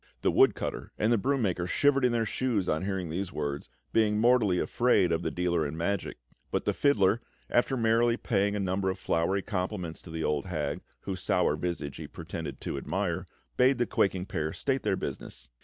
The woodcutter and the broom maker shivered in their shoes on hearing these words, being mortally afraid of the dealer in magic; but the fiddler, after merrily paying a number of flowery compliments to the old hag, whose sour visage he pretended to admire, bade the quaking pair state their business.